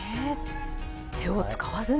手を使わずに。